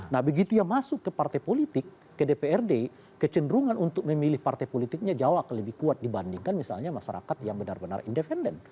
nah begitu ya masuk ke partai politik ke dprd kecenderungan untuk memilih partai politiknya jauh akan lebih kuat dibandingkan misalnya masyarakat yang benar benar independen